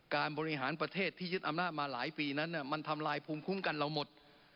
บริหารประเทศที่ยึดอำนาจมาหลายปีนั้นมันทำลายภูมิคุ้มกันเราหมด